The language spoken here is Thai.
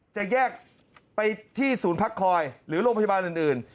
จะแยกไปที่ศูนย์พักคอยหรือโรงพยาบาลอื่น